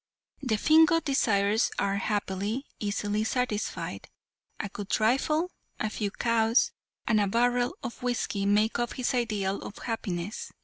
"The Fingo desires are, happily, easily satisfied; a good rifle, a few cows, and a barrel of whisky make up his ideal of happiness.